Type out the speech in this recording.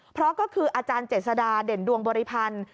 เพราะก็คืออาจารย์เจษฎาเด่นดวงบริพันธ์